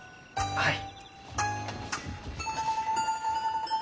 はい。